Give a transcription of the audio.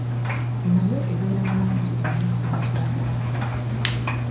Nayo ebeera mu langi emmyufu ne kiragala.